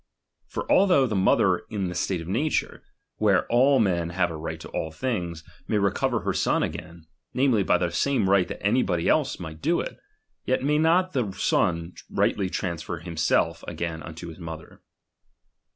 For although the mother in the state of na ture, where all men have a right to all things, may recover her son again, namely, by the same right that anybody else might do it; yet may not the son rightly transfer himself again unto his mother.